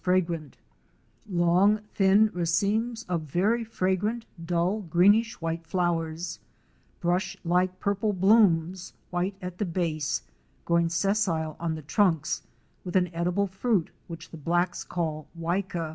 281 fragrant; long thin racemes of very fragrant, dull greenish white flowers; brush like purple blooms, white at the base, growing sessile on the trunks, with an edible fruit, which the blacks call '' Waika."